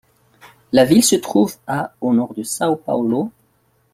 La ville se trouve à au nord de São Paulo.